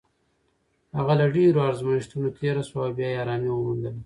هغه له ډېرو ازمېښتونو تېره شوه او بیا یې ارامي وموندله.